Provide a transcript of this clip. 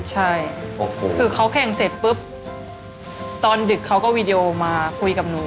ใช่คือเขาแข่งเสร็จปุ๊บตอนดึกเขาก็วีดีโอมาคุยกับหนู